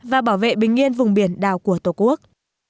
và bảo vệ bình yên vùng biển đảo của tổ quốc